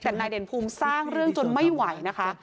แต่นายเด่นภูมิสร้างเรื่องจนไม่ไหวนะคะ